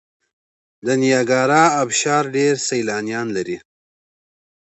د نیاګرا ابشار ډیر سیلانیان لري.